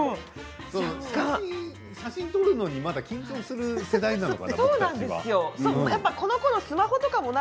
写真を撮るのに緊張する世代なのかな。